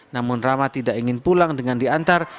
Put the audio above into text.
namun rama tidak ingin pulang dengan diantar